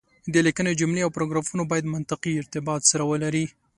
د ليکنې جملې او پاراګرافونه بايد منطقي ارتباط سره ولري.